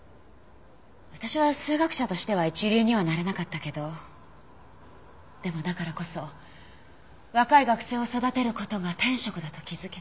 私は数学者としては一流にはなれなかったけどでもだからこそ若い学生を育てる事が天職だと気づけた。